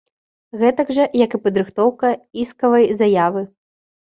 Гэтак жа, як і падрыхтоўка іскавай заявы.